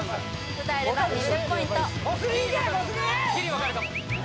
歌えれば２０ポイント